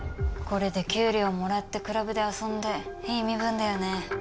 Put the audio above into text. これで給料もらってクラブで遊んでいい身分だよね。